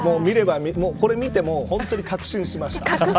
これ見てもう本当に確信しました。